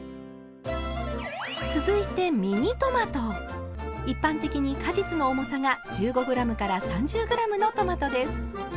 続いて一般的に果実の重さが１５ｇから３０ｇのトマトです。